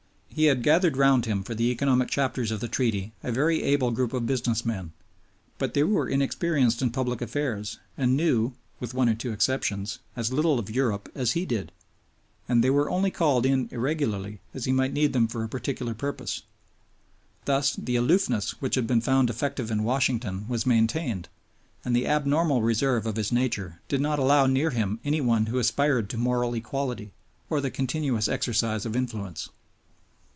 He had gathered round him for the economic chapters of the Treaty a very able group of business men; but they were inexperienced in public affairs, and knew (with one or two exceptions) as little of Europe as he did, and they were only called in irregularly as he might need them for a particular purpose. Thus the aloofness which had been found effective in Washington was maintained, and the abnormal reserve of his nature did not allow near him any one who aspired to moral equality or the continuous exercise of influence.